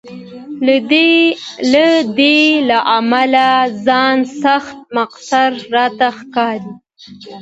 له دې امله ځان سخت مقصر راته ښکاري.